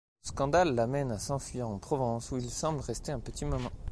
Le scandale l’amène à s’enfuir en Provence où il semble rester un petit moment.